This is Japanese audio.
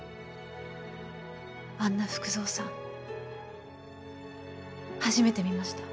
あんな福造さん初めて見ました。